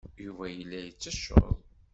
Yuba yella yettecceḍ.